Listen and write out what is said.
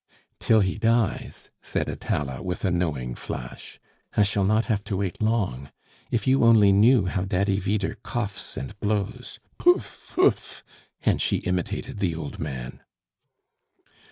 "Till he dies," said Atala, with a knowing flash. "I shall not have to wait long. If you only knew how Daddy Vyder coughs and blows. Poof, poof," and she imitated the old man.